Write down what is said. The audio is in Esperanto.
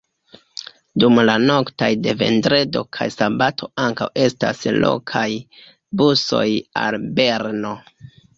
Dum la noktoj de vendredo kaj sabato ankaŭ estas lokaj busoj al Berno.